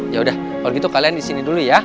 yaudah kalau gitu kalian disini dulu ya